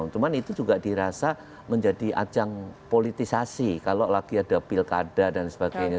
cuma itu juga dirasa menjadi ajang politisasi kalau lagi ada pilkada dan sebagainya